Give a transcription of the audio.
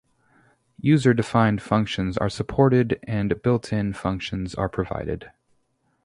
User-defined functions are supported and built-in functions are provided.